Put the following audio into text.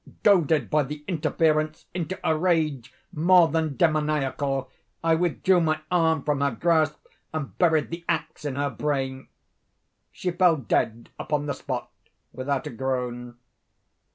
Goaded, by the interference, into a rage more than demoniacal, I withdrew my arm from her grasp and buried the axe in her brain. She fell dead upon the spot, without a groan.